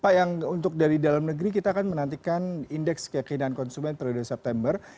pak yang untuk dari dalam negeri kita akan menantikan indeks keyakinan konsumen periode september